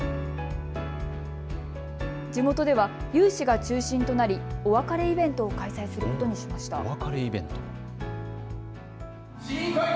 地元では有志が中心となりお別れイベントを開催することにしました。